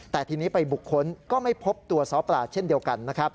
แต่ทีนี้ไปบุคคลก็ไม่พบตัวซ้อปลาเช่นเดียวกันนะครับ